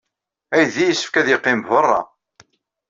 Aydi yessefk ad yeqqim beṛṛa!